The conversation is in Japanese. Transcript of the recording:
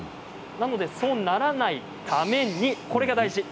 そうならないためにこれが大事です。